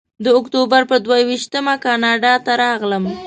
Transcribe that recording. د اکتوبر پر دوه ویشتمه کاناډا ته راغلم.